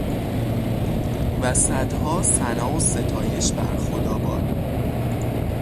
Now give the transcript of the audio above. و صدها ثنا و ستایش بر خدا باد